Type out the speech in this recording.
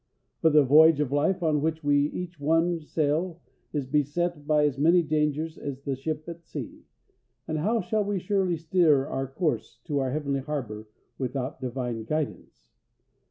But the voyage of life on which we each one sail is beset by as many dangers as the ship at sea, and how shall we surely steer our course to our heavenly harbour without Divine guidance?